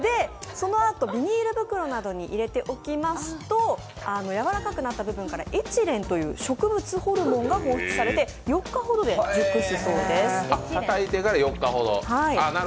そのあとビニール袋などに入れておきますとやわらかくなった部分からエチレンという植物ホルモンが放出されて４日ほどで熟すそうです。